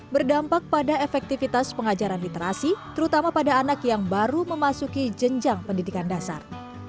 berdampak pada efektivitas pengajaran literasi terutama pada anak yang baru memasuki jenjang pendidikan dasar